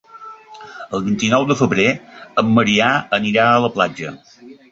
El vint-i-nou de febrer en Maria anirà a la platja.